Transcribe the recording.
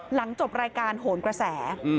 หลังจบรายการโหนกระแส